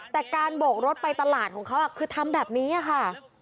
แต่การโบกรถไปตลาดของเขาคือทำแบบนี้ค่ะ